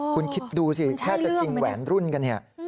คุณคิดดูสิแค่จะจิงแหวนรุ่นกัน